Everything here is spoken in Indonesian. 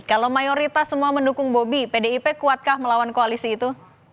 kalau mayoritas semua mendukung bobby pdip kuatkah melawan koalisi itu